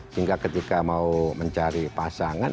sehingga ketika mau mencari pasangan